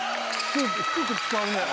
低く使うの。